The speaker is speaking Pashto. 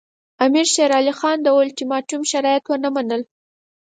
امیر شېر علي خان د اولټیماټوم شرایط ونه منل.